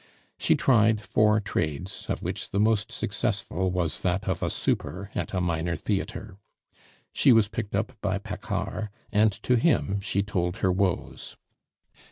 She tried four trades, of which the most successful was that of a "super" at a minor theatre. She was picked up by Paccard, and to him she told her woes.